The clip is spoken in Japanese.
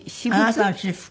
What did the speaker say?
あなたの私服？